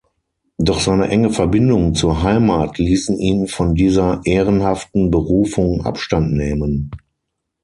Doch seine enge Verbindung zur Heimat ließen ihn von dieser ehrenhaften Berufung Abstand nehmen.